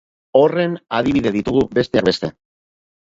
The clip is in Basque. Horren adibide ditugu, besteak beste.